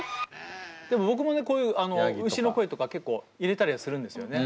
でも僕もねこういう牛の声とか結構入れたりはするんですよね。